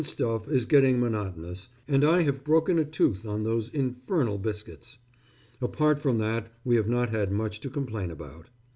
] The tinstuff is getting monotonous, and I have broken a tooth on those infernal biscuits. Apart from that we have not had much to complain about.